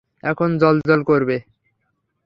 এখন জ্বলজ্বল করবে।